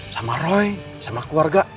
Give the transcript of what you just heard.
sama roy sama keluarga